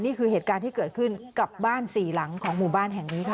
นี่คือเหตุการณ์ที่เกิดขึ้นกับบ้านสี่หลังของหมู่บ้านแห่งนี้ค่ะ